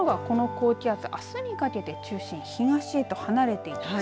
ところがこの高気圧あすにかけて中心東へと離れていきます。